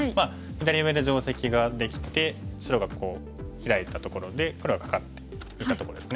左上で定石ができて白がヒラいたところで黒がカカって打ったところですね。